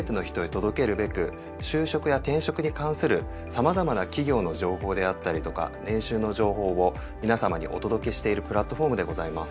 届けるべく就職や転職に関する様々な企業の情報であったりとか年収の情報を皆さまにお届けしているプラットフォームでございます。